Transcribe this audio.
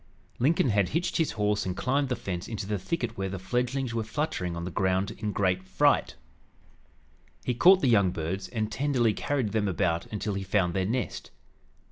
Lincoln had hitched his horse and climbed the fence into the thicket where the fledglings were fluttering on the ground in great fright. He caught the young birds and tenderly carried them about until he found their nest.